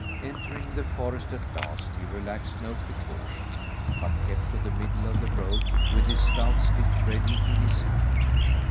Entering the forest at last, he relaxed no precaution, but kept to the middle of the road with his stout stick ready in his hand.